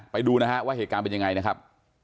ไปดูนะฮะว่าเหตุการณ์เป็นยังไงนะครับ